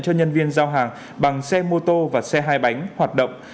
cho nhân viên giao hàng bằng xe mô tô và xe hai bánh hoạt động